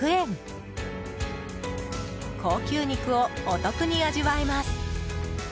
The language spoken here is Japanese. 高級肉をお得に味わえます。